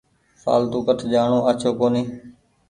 ڦآلتو ڪٺ جآڻو آڇو ڪونيٚ۔